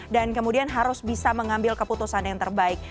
dan kemudian harus bisa mengambil keputusan yang terbaik